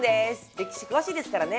歴史詳しいですからね。